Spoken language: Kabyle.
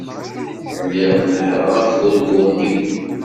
Lliɣ nehhṛeɣ afurgu-nni.